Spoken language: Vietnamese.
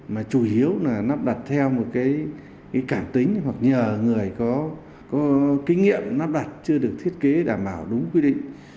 mà chủ yếu là nắp đặt theo một cái cảm tính hoặc nhờ người có kinh nghiệm nắp đặt chưa được thiết kế đảm bảo đúng quy định